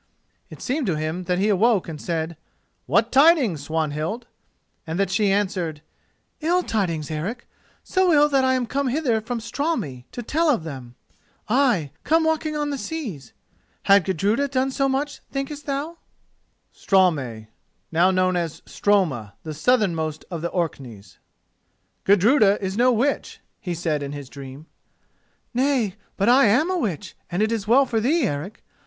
It seemed to him that he awoke and said "What tidings, Swanhild?" and that she answered: "Ill tidings, Eric—so ill that I am come hither from Straumey[*] to tell of them—ay, come walking on the seas. Had Gudruda done so much, thinkest thou?" [*] Stroma, the southernmost of the Orkneys. "Gudruda is no witch," he said in his dream. "Nay, but I am a witch, and it is well for thee, Eric.